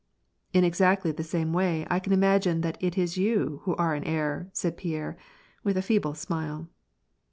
" In exactly the same way, I can imagine that it is you who are in error," said Pierre, with a feeble smile.